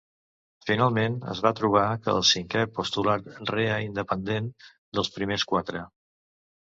Finalment, es va trobar que el cinquè postulat rea independent dels primers quatre.